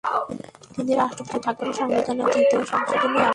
তিনি রাষ্ট্রপতি থাকবেন সংবিধানের দ্বিতীয় সংশোধনীতে এমন নিয়ম করা হয়েছিল।